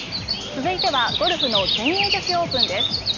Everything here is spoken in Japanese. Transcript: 続いてはゴルフの全英女子オープンです。